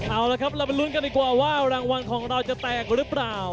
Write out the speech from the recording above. เอาละครับเราไปลุ้นกันดีกว่าว่ารางวัลของเราจะแตกหรือเปล่า